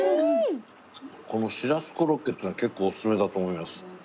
このしらすコロッケっていうのが結構おすすめだと思います。